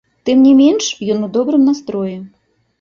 Тым не менш, ён у добрым настроі.